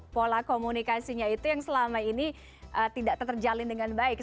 pola komunikasinya itu yang selama ini tidak terjalin dengan baik